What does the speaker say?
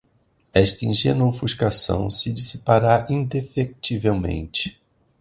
esta ingênua ofuscação se dissipará indefectivelmente